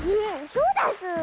そうだズー！